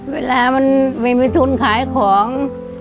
เวลามันไม่มีทุนขายของ